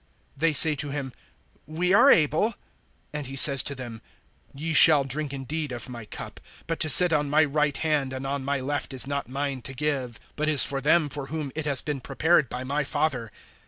They say to him: We are able. (23)And he says to them: Ye shall drink indeed of my cup; but to sit on my right hand, and on my left, is not mine to give, but is for them for whom it has been prepared by my Father.